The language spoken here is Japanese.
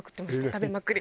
食べまくり。